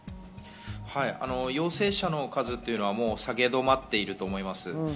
陽性者の数は下げ止まっていると思います。